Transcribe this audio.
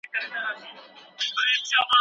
د خوښۍ ساتل د کورنۍ مسؤلیت دی.